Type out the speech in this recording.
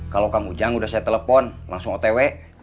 kalau kang ujang udah saya telepon langsung otw